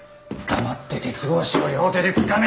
黙って鉄格子を両手でつかめ！